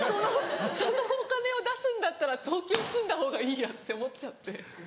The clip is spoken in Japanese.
そのお金を出すんだったら東京住んだほうがいいやって思っちゃって。